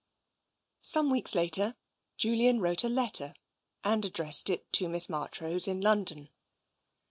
Some weeks later, Julian wrote a letter, and ad dressed it to Miss Marchrose in London.